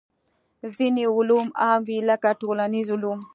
ځینې علوم عام وي لکه ټولنیز علوم.